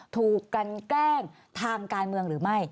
ถูกกันแกล้งทางการเมืองหรือไม่